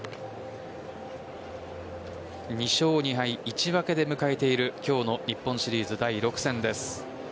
２勝２敗１分で迎えている今日の日本シリーズ第６戦です。